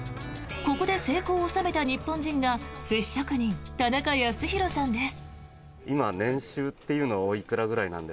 ここで成功を収めた日本人が寿司職人、田中康博さんです。